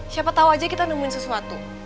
siapa tau aja kita nemuin sesuatu